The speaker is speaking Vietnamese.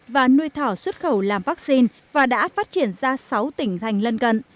và nuôi thỏ xuất khẩu làm vaccine và đã phát triển ra sáu tỉnh thành lân cận